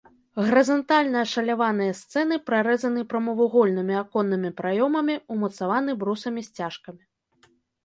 Гарызантальна ашаляваныя сцены прарэзаны прамавугольнымі аконнымі праёмамі, умацаваны брусамі-сцяжкамі.